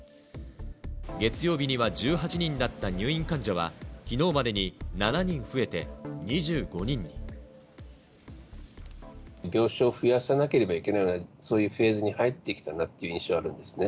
月曜日には１８人だった入院患者は、きのうまでに７人増えて、病床を増やさなければいけないような、そういうフェーズに入ってきたなという印象はあるんですね。